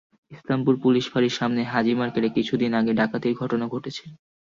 Islampur police ফাঁড়ির সামনে হাজী মার্কেটে কিছুদিন আগে ডাকাতির ঘটনা ঘটেছে।